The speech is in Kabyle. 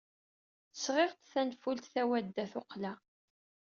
Sɣiɣ-d tanfult tawadda-tuqqla.